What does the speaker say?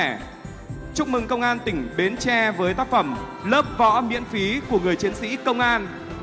chúc mừng công an tỉnh bến tre với tác phẩm lớp võ miễn phí của người chiến sĩ công an